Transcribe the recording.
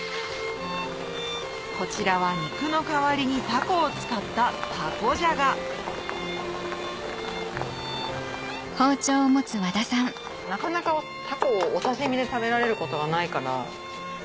こちらは肉の代わりにタコを使ったなかなかタコをお刺し身で食べられることがないから。